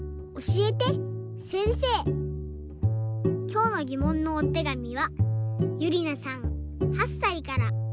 きょうのぎもんのおてがみはゆりなさん８さいから。